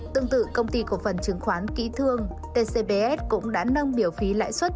tương tự công ty cổ phần chứng khoán kỹ thương tcbs cũng đã nâng biểu phí lãi suất